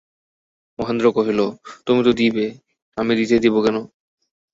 মহেন্দ্র কহিল, তুমি তো দিবে, আমি দিতে দিব কেন।